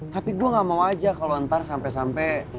tapi gue gak mau aja kalau ntar sampe sampe